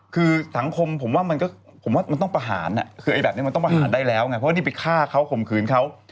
คือสังคมผมว่ามันก็ผมว่ามันต้องประหารคือไอ้แบบนี้มันต้องประหารได้แล้วไงเพราะว่านี่ไปฆ่าเขาข่มขืนเขา